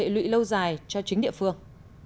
lụy lâu dài cho chính địa phương